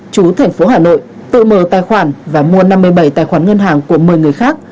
chú thành phố hà nội tự mở tài khoản và mua năm mươi bảy tài khoản ngân hàng của một mươi người khác